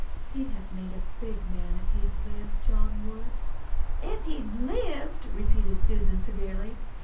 He'd have made a big man if he'd lived John would." "'If he'd lived'!" repeated Susan severely.